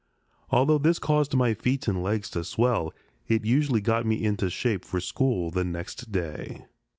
Although this caused my feet and legs to swell, it usually got me into shape for school the next day.